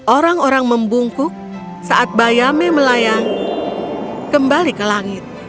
orang orang membungkuk saat bayame melayang kembali ke langit